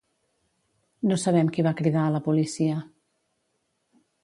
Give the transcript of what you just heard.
No sabem qui va cridar a la policia.